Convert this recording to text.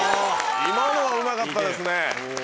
今のはうまかったですね。